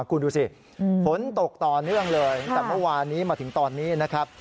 คุณดูสิฝนตกต่อเนื่องเลยตั้งแต่เมื่อวานนี้มาถึงตอนนี้นะครับ